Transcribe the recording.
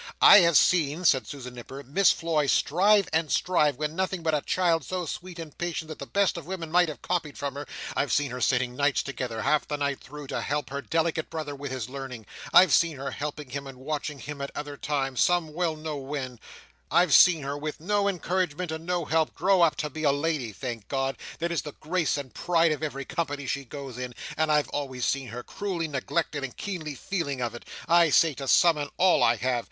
"I have seen," said Susan Nipper, "Miss Floy strive and strive when nothing but a child so sweet and patient that the best of women might have copied from her, I've seen her sitting nights together half the night through to help her delicate brother with his learning, I've seen her helping him and watching him at other times—some well know when—I've seen her, with no encouragement and no help, grow up to be a lady, thank God! that is the grace and pride of every company she goes in, and I've always seen her cruelly neglected and keenly feeling of it—I say to some and all, I have!